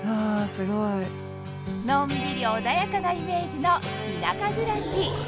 すごいのんびり穏やかなイメージの田舎暮らし